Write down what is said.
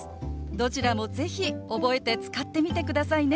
どちらも是非覚えて使ってみてくださいね。